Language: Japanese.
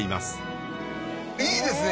いいですね。